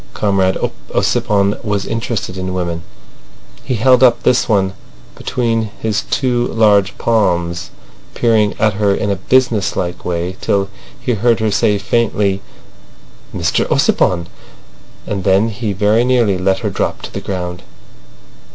Comrade Ossipon was interested in women. He held up this one between his two large palms, peering at her in a business like way till he heard her say faintly "Mr Ossipon!" and then he very nearly let her drop to the ground.